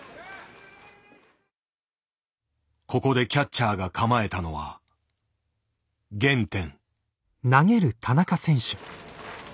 ここでキャッチャーが構えたのは原点。